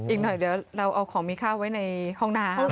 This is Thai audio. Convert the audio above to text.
อีกหน่อยเดี๋ยวเราเอาของมีข้าวไว้ในห้องน้ำ